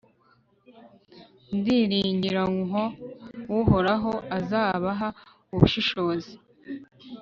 Ndiringira nko Uhoraho azabaha ubushishozi